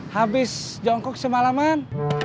habis jongkok semalaman